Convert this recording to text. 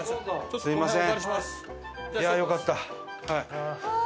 すみません。